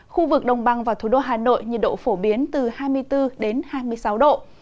khu vực đồng bằng và thủ đô hà nội nhiệt độ phổ biến từ hai mươi bốn hai mươi sáu độ